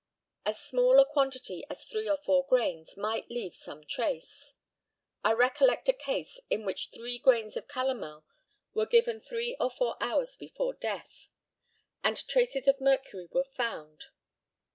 As small a quantity as three or four grains might leave some trace. I recollect a case in which three grains of calomel were given three or four hours before death, and traces of mercury were found.